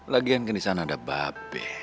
lagian kan di sana ada bape